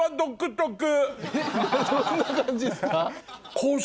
えっどんな感じですか？